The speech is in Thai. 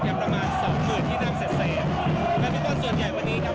กับประมาณสองหมื่นที่นั่งเศษครับแต่ว่าส่วนใหญ่วันนี้ครับ